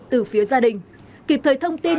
từ phía gia đình kịp thời thông tin